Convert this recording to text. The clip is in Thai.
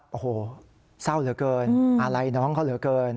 โอ้โหเศร้าเหลือเกินอะไรน้องเขาเหลือเกิน